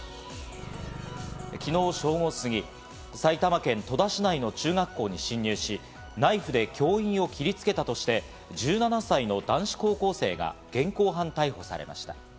昨日正午過ぎ、埼玉県戸田市内の中学校に侵入し、ナイフで教員を切りつけたとして、１７歳の男子高校生が現行犯逮捕されました。